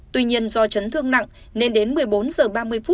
tuy nhiên do chấn thương nặng nên đến một mươi bốn h ba mươi